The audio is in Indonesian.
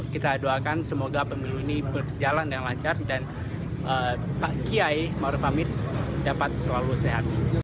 kita doakan semoga pemilu ini berjalan dengan lancar dan pak kiai maruf amin dapat selalu sehat